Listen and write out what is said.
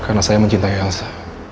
karena saya mencintai elsa